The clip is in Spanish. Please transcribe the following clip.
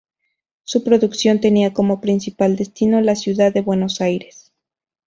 Su producción tenía como principal destino la ciudad de Buenos Aires.